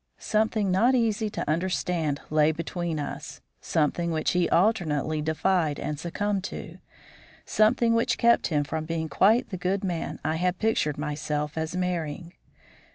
Something not easy to understand lay between us something which he alternately defied and succumbed to, something which kept him from being quite the good man I had pictured myself as marrying.